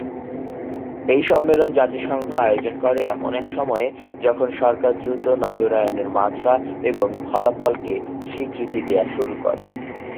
এই সম্মেলন জাতিসংঘ আয়োজন করে এমন এক সময়ে, যখন সরকার দ্রুত নগরায়নের মাত্রা এবং ফলাফলকে স্বীকৃতি দেয়া শুরু করে।